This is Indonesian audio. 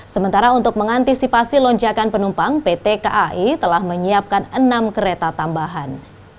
sementara untuk mengantisipasi lonjakan penumpang pt kai telah menyiapkan enam kereta tambahan